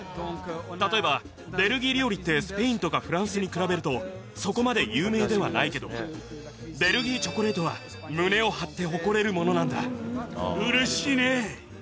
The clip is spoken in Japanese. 例えばベルギー料理ってスペインとかフランスに比べるとそこまで有名ではないけどベルギーチョコレートは。を口の中に入れて。